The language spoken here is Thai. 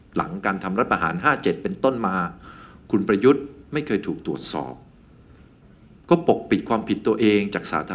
หลังการทำรัฐประหาร๕๗เป็นต้นมา